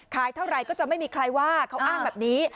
ขายเท่าไหร่ก็จะไม่มีใครว่าเขาอ้างแบบนี้